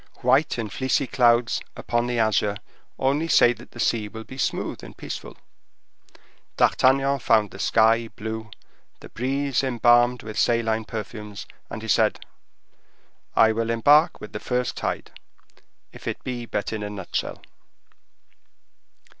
White and fleecy clouds upon the azure only say that the sea will be smooth and peaceful. D'Artagnan found the sky blue, the breeze embalmed with saline perfumes, and he said: "I will embark with the first tide, if it be but in a nutshell."